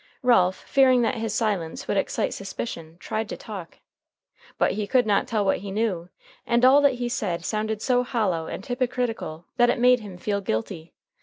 Ralph, fearing that his silence would excite suspicion, tried to talk. But he could not tell what he knew, and all that he said sounded so hollow and hypocritical that it made him feel guilty.